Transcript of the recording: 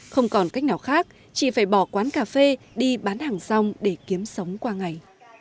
không còn cách nào khác chị phải bỏ quán cà phê đi bán hàng xong để kiếm sống qua ngày